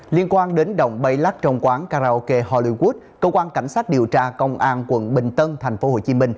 liên quan đến động bay lắc trong quán karaoke hollywood công an cảnh sát điều tra công an quận bình tân tp hcm